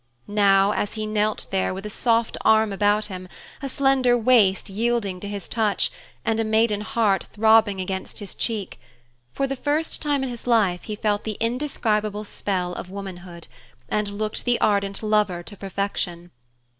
Now, as he knelt there with a soft arm about him, a slender waist yielding to his touch, and a maiden heart throbbing against his cheek, for the first time in his life he felt the indescribable spell of womanhood, and looked the ardent lover to perfection.